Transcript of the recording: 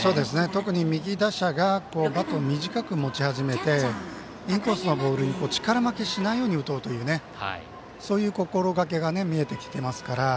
特に右打者がバットを短く持ち始めてインコースのボールに力負けしないように打とうという心がけが見えてきていますから。